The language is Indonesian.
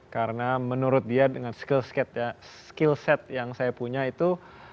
karena menurut dia dengan skill set yang saya punya itu